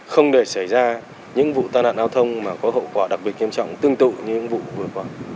không để xảy ra những vụ tai nạn giao thông mà có hậu quả đặc biệt nghiêm trọng tương tự như những vụ vừa qua